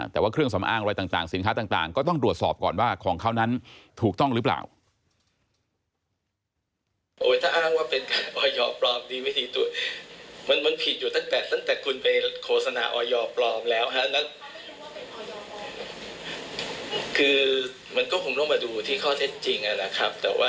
แต่ว่าเครื่องสำอางอะไรต่างสินค้าต่างก็ต้องตรวจสอบก่อนว่าของเขานั้นถูกต้องหรือเปล่า